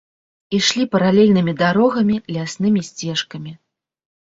Ішлі паралельнымі дарогамі, ляснымі сцежкамі.